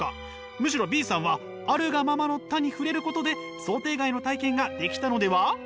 むしろＢさんは「あるがままの多」に触れることで想定外の体験ができたのでは？